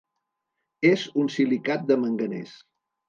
És un silicat de manganès.